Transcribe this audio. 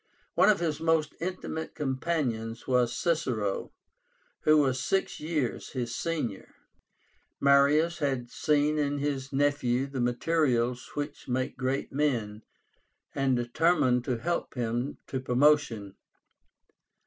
One of his most intimate companions was CICERO, who was six years his senior. Marius had seen in his nephew the materials which make great men, and determined to help him to promotion.